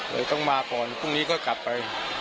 เลยต้องมาก่อนพรุ่งนี้ก็กลับไป